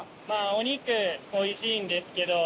お肉美味しいんですけど。